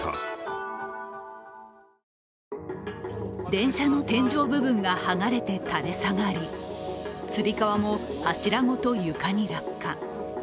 電車の天井部分が剥がれて垂れ下がり、つり革も柱ごと床に落下。